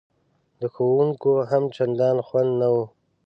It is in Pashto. د ښوونکیو هم چندان خوند نه و.